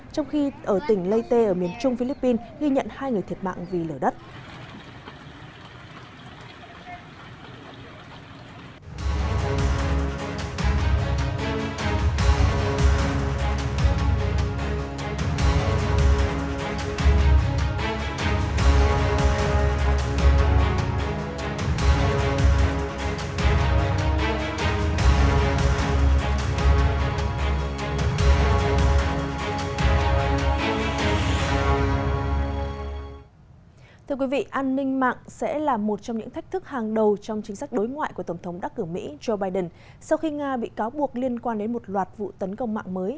sau khi nga bị cáo buộc liên quan đến một loạt vụ tấn công mạng mới nhằm vào washington